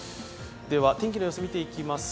天気の様子、見ていきます。